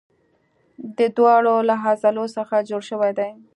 دا دواړه له عضلو څخه جوړ شوي دي.